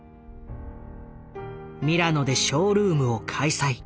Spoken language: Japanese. ミラノでショールームを開催。